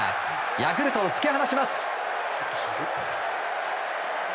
ヤクルトを突き放します。